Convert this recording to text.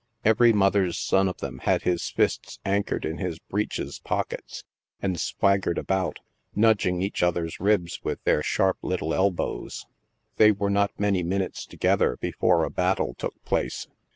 Every mother's son of them had hi3 fists anchored in his breeches pockets, and swaggered about, nudging each other's ribs with their sharp little elbow3. They were not many minutes together before a battle took place.